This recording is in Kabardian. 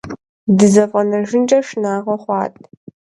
ДызэфӀэнэжынкӀэ шынагъуэ хъуат.